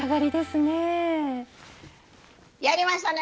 やりましたね！